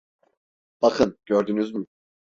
Bakın, gördünüz mü?